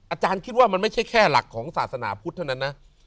อาจารย์คิดว่ามันไม่ใช่แค่หลักของศาสนาพุทธเท่านั้นนะ